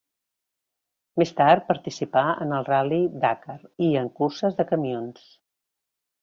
Més tard, participà en el Ral·li Dakar i en curses de camions.